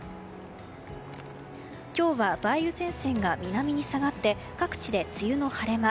今日は梅雨前線が南に下がって各地で梅雨の晴れ間。